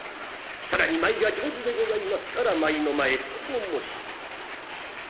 更に舞が上手でございますから舞の前とも申します。